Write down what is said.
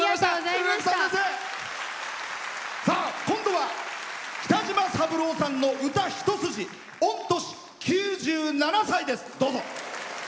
今度は北島三郎さんの歌一筋御年９７歳です。